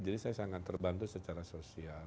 dan saya sangat terbantu secara sosial